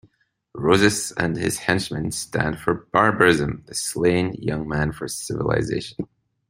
Rosas and his henchmen stand for barbarism, the slain young man for civilization.